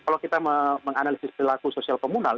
kalau kita menganalisis perilaku sosial komunal